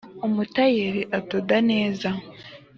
umutayeri adoda neza.